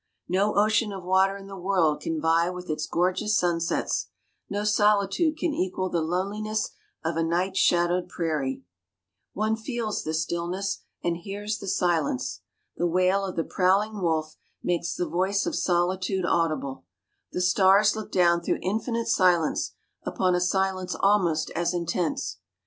No ocean of water in the world can vie with its gorgeous sunsets; no solitude can equal the loneliness of a night shadowed prairie: one feels the stillness, and hears the silence: the wail of the prowling wolf makes the voice of solitude audible; the stars look down through infinite silence upon a silence almost as intense.